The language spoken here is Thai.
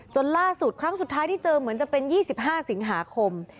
ล่าสุดครั้งสุดท้ายที่เจอเหมือนจะเป็น๒๕สิงหาคม